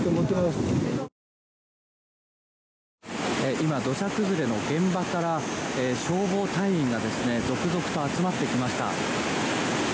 今、土砂崩れの現場から消防隊員が続々と集まってきました。